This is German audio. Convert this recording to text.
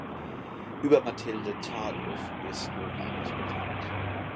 Über Mathilde Tardif ist nur wenig bekannt.